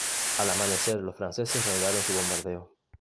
Al amanecer los franceses reanudaron su bombardeo.